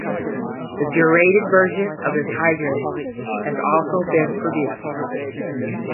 The deuterated version of this hydrate has also been produced.